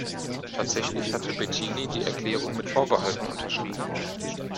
Tatsächlich hatte Bettini die Erklärung mit Vorbehalten unterschrieben.